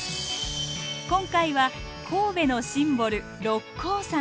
今回は神戸のシンボル六甲山。